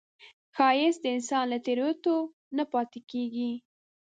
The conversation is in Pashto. ښایست د انسان له تېرېدو نه نه پاتې کېږي